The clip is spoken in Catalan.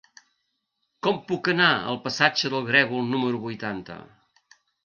Com puc anar al passatge del Grèvol número vuitanta?